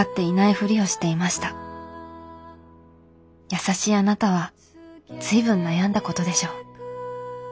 優しいあなたは随分悩んだことでしょう。